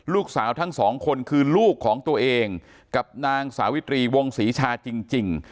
ลูกสาวทั้งสองคนคือลูกของตัวเองกับนางสาวิตรีวงศรีชาจริง